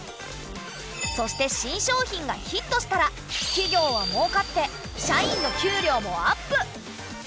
そして新商品がヒットしたら企業は儲かって社員の給料もアップ！